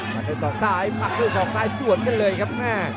ปัน๑๒ได้ปัน๑๒ซ้ายสวนกันเลยครับ